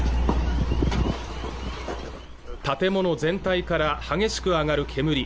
建物全体から激しく上がる煙